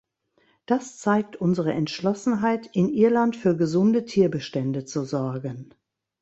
Das zeigt unsere Entschlossenheit, in Irland für gesunde Tierbestände zu sorgen.